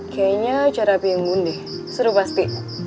kayaknya acara api yang bun deh seru pasti